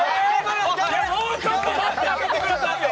もうちょっと待ってあげてください！